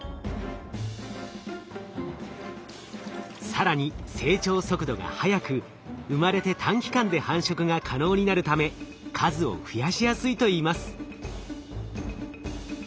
更に成長速度が速く生まれて短期間で繁殖が可能になるため数を増やしやすいといいます。